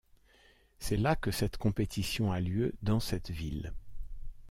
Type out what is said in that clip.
C'est la que cette compétition a lieu dans cette ville.